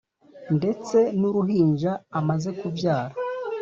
ndetse n’uruhinja amaze kubyara